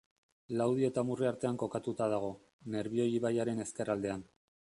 Laudio eta Amurrio artean kokatuta dago, Nerbioi ibaiaren ezkerraldean.